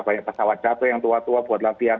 banyak pesawat jatuh yang tua tua buat lapihan